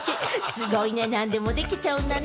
すごいね、何でもできちゃうんだね。